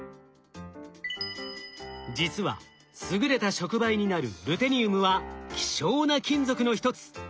実は優れた触媒になるルテニウムは希少な金属の一つ。